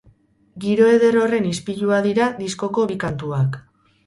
Giro eder horren ispilua dira diskoko bi kantuak.